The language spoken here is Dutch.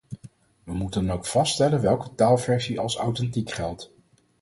We moeten dan ook vaststellen welke taalversie als authentiek geldt.